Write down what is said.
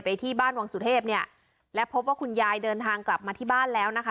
ที่บ้านวังสุเทพเนี่ยและพบว่าคุณยายเดินทางกลับมาที่บ้านแล้วนะคะ